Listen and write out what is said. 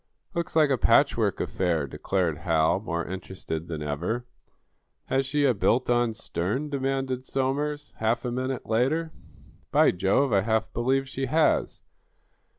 "Looks like a patchwork affair," declared Hal, more interested than ever. "Has she a built on stern?" demanded Somers, half a minute later. "By Jove, I half believe she has.